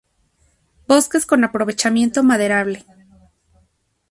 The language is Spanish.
Bosques con aprovechamiento maderable.